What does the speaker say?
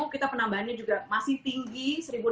kita penambahannya juga masih tinggi